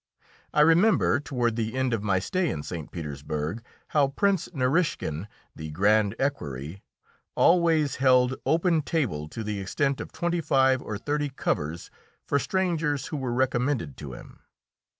I remember, toward the end of my stay in St. Petersburg, how Prince Narischkin, the Grand Equerry, always held open table to the extent of twenty five or thirty covers for strangers who were recommended to him.